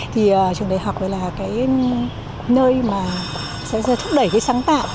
thì trường đại học là cái nơi mà sẽ thúc đẩy cái sáng tạo